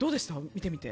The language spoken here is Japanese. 見てみて。